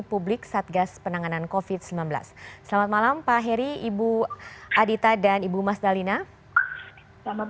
publik satgas penanganan kofit sembilan belas selamat malam pak heri ibu adita dan ibu mas dalina selamat malam